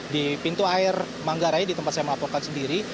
di pintu air manggarai di tempat saya melaporkan sendiri